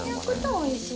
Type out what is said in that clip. おいしい。